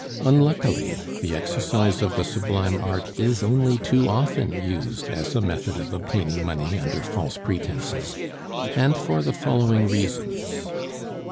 Unluckily, the exercise of the sublime art is only too often used as a method of obtaining money under false pretences, and for the following reasons.